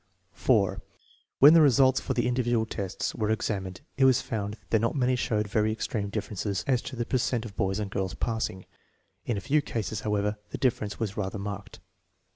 1 4. When the results for the individual tests were ex amined, it was found that not many showed very extreme differences as to the per cent of boys and girls passing. In a few cases, however, the difference was rather marked.